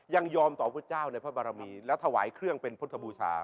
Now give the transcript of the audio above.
ยังยอมต่อพระเจ้าในพระบารมีและถวายเครื่องเป็นพุทธบูชา